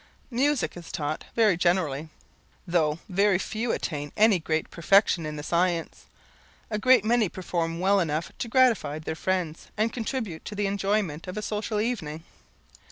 Music is taught very generally. Though very few attain any great perfection in the science, a great many perform well enough to gratify their friends, and contribute to the enjoyment of a social evening.